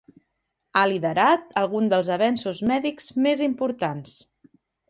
Ha liderat alguns dels avenços mèdics més importants.